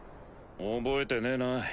覚えてねぇな。